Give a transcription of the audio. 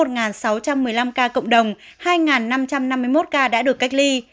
trong đợt dịch thứ tư một sáu trăm một mươi năm ca cộng đồng hai năm trăm năm mươi một ca đã được cách ly